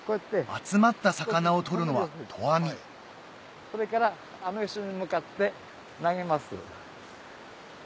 集まった魚をとるのは投網それからあの石に向かって投げます。